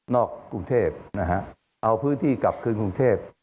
กรุงเทพนะฮะเอาพื้นที่กลับคืนกรุงเทพ